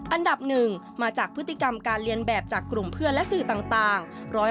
อันดับ๑มาจากพฤติกรรมการเรียนแบบจากกลุ่มเพื่อนและสื่อต่าง